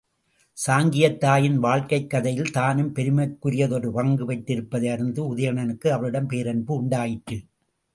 சாங்கியத் தாயின் வாழ்க்கைக் கதையில் தானும் பெருமைக்குரிய தொரு பங்கு பெற்றிருப்பதை அறிந்து உதயணனுக்கு அவளிடம் பேரன்பு உண்டாயிற்று.